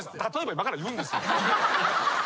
今から言うんすね。